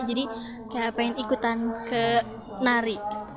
jadi kayak pengen ikutan ke nari